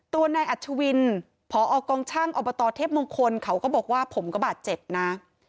ตัวนายอัชวินพอกองช่างอบตเทพมงคลเขาก็บอกว่าผมก็บาดเจ็บนะ